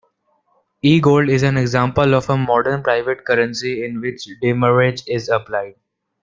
E-gold is an example of a modern private currency in which demurrage is applied.